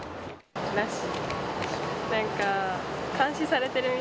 なし？